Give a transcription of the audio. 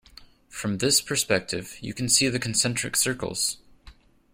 From this perspective you can see the concentric circles.